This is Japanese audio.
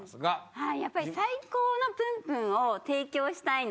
はい。